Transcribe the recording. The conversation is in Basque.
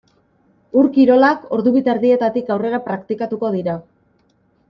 Ur-kirolak ordu bi eta erdietatik aurrera praktikatuko dira.